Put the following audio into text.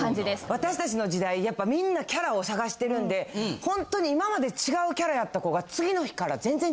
私たちの時代やっぱみんなキャラを探してるんでほんとに今まで違うキャラやった子が。